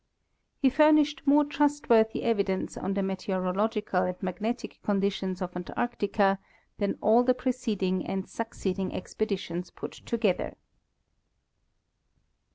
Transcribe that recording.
He furnished more trustworthy evidence on the meteorological and magnetic conditions of Antarctica than all the preceding and succeeding expeditions put together.